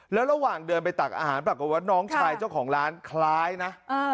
แล้วระหว่างเดินไปตักอาหารปรากฏว่าน้องชายเจ้าของร้านคล้ายนะ